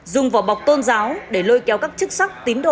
dùng vỏ bọc tôn giáo để lôi kéo các chức sắc tín đồ